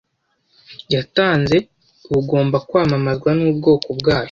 yatanze bugomba kwamamazwa n’ubwoko bwayo?